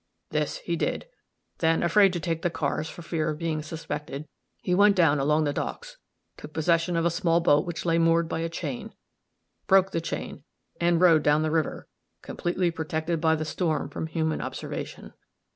This he did; then, afraid to take the cars, for fear of being suspected, he went down along the docks, took possession of a small boat which lay moored by a chain, broke the chain, and rowed down the river, completely protected by the storm from human observation.